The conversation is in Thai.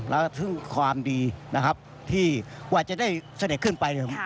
แล้วถึงความดีนะครับที่กว่าจะได้เสด็จขึ้นไปเนี่ย